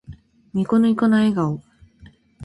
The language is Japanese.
ニコニコな笑顔。